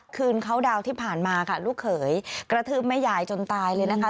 คืนเขาดาวน์ที่ผ่านมาค่ะลูกเขยกระทืบแม่ยายจนตายเลยนะคะ